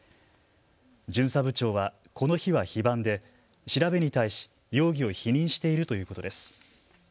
巡査部長はこの日は非番で調べに対し容疑を否認しているということです。